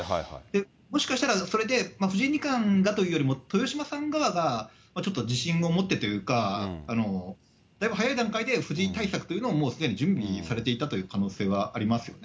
もしかしたらそれで、藤井二冠がというよりも、豊島さん側が、ちょっと自信を持ってというか、だいぶ早い段階で藤井対策というのを、もうすでに準備されていたという可能性はありますよね。